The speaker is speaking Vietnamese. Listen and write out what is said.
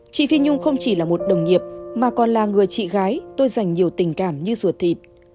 chị phi nhung không chỉ là một đồng nghiệp mà còn là người chị gái tôi dành nhiều tình cảm như ruột thịt